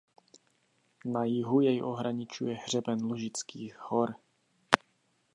Na jihu jej ohraničuje hřeben Lužických hor.